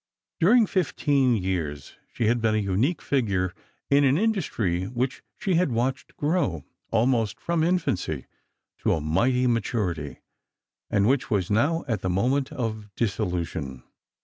During fifteen years, she had been a unique figure in an industry which she had watched grow, almost from infancy, to a mighty maturity, and which was now at the moment of dissolution.